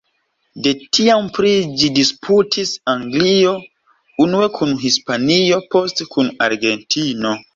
De tiam pri ĝi disputis Anglio unue kun Hispanio, poste kun Argentino.